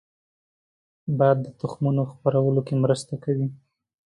باد د تخمونو خپرولو کې مرسته کوي